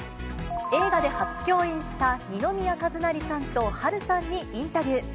映画で初共演した二宮和也さんと波瑠さんにインタビュー。